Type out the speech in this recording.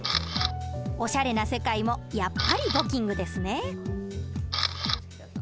おしゃれな世界もやっぱり簿記ｉｎｇですね。